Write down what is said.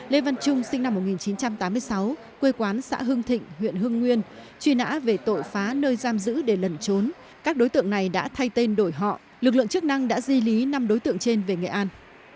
lê văn trung sinh năm một nghìn chín trăm tám mươi sáu quê quán xã hưng thịnh huyện hưng nguyên truy nã về tội phá nơi giam giữ để lẩn trốn các đối tượng này đã thay tên đổi họ lực lượng chức năng đã di lý năm đối tượng trên về nghệ an